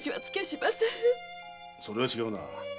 それは違うな。